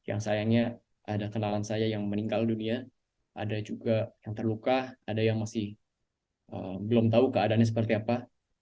yang sayangnya ada kenalan saya yang meninggal dunia ada juga yang terluka ada yang masih belum tahu keadaannya seperti apa